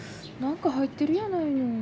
何か入ってるやないの。